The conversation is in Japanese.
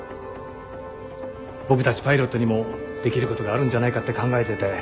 僕たちパイロットにもできることがあるんじゃないかって考えてて。